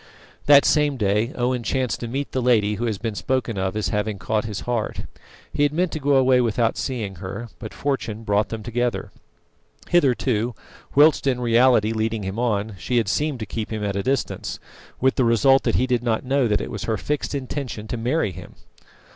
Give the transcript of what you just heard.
That same day Owen chanced to meet the lady who has been spoken of as having caught his heart. He had meant to go away without seeing her, but fortune brought them together. Hitherto, whilst in reality leading him on, she had seemed to keep him at a distance, with the result that he did not know that it was her fixed intention to marry him.